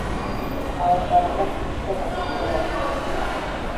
Аяҡтарында көскә баҫып тора ине.